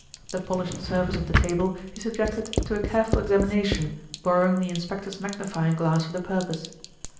The polished surface of the table he subjected to a careful examination, borrowing the inspector's magnifying glass for the purpose.